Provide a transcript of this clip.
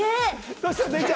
どうした。